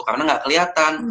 karena gak keliatan